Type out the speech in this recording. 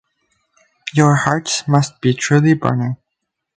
Your hearts must be truly burning.